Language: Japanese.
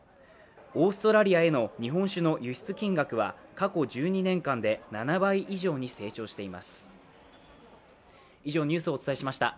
オーストラリアへの日本酒の輸出金額は過去１２年間で７倍以上に成長しています。